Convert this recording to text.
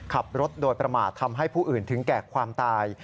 ขับรถโดยประมาททำให้ผู้อื่นถึงแก่ความตาย